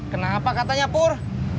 kenapa katanya pur